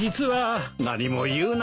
何も言うな。